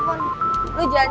lu jangan cerita dulu tunggu